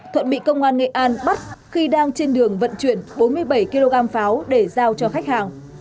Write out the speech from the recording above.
thuận bị công an nghệ an bắt khi đang trên đường vận chuyển bốn mươi bảy kg pháo để giao cho khách hàng